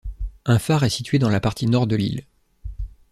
Un phare est situé dans la partie nord de l'île.